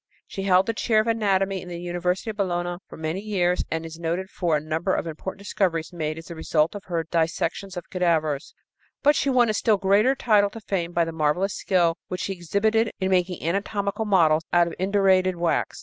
She held the chair of anatomy in the University of Bologna for many years, and is noted for a number of important discoveries made as the result of her dissections of cadavers. But she won a still greater title to fame by the marvelous skill which she exhibited in making anatomical models out of indurated wax.